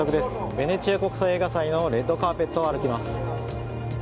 ベネチア国際映画祭のレッドカーペットを歩きます。